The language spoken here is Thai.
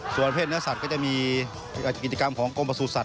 ส่วนเผ็ดเนื้อสัตว์ก็จะมีอิติกรรมของกรมประสูจน์สัตว์